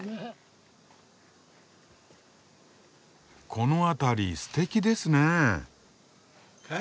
この辺りすてきですね。